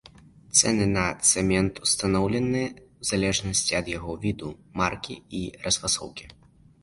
Цэны на цэмент устаноўлены ў залежнасці ад яго віду, маркі і расфасоўкі.